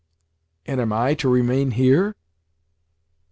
"And am I to remain here?"